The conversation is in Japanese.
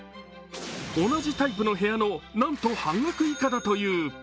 同じタイプの部屋のなんと半額以下だという。